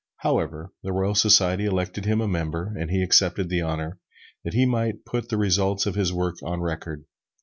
However, the Royal Society elected him a member, and he accepted the honor, that he might put the results of his work on record.